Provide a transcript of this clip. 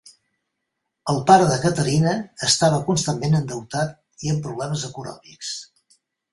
El pare de Caterina estava constantment endeutat i amb problemes econòmics.